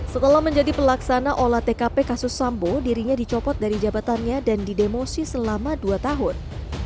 setelah menjadi pelaksana olah tkp kasus sambo dirinya dicopot dari jabatannya dan didemosi selama dua tahun